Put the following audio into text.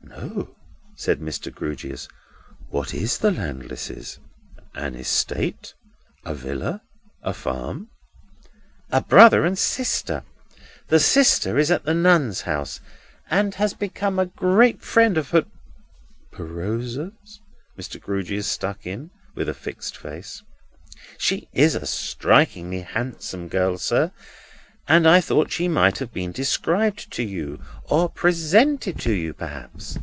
"No," said Mr. Grewgious. "What is the Landlesses? An estate? A villa? A farm?" "A brother and sister. The sister is at the Nuns' House, and has become a great friend of P—" "PRosa's," Mr. Grewgious struck in, with a fixed face. "She is a strikingly handsome girl, sir, and I thought she might have been described to you, or presented to you perhaps?"